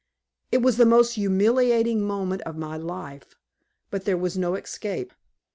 It was the most humiliating moment of my life, but there was no escape.